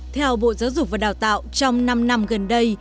theo bộ giáo dục và đào tạo trong năm năm gần đây